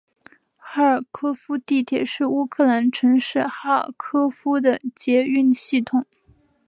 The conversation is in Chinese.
哈尔科夫地铁是乌克兰城市哈尔科夫的捷运系统。